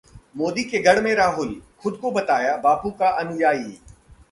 मोदी के गढ़ में राहुल, खुद को बताया बापू का अनुयायी